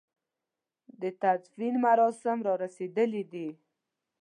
د تدفين مراسم را رسېدلي دي.